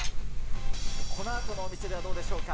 このあとのお店ではどうでしょうか。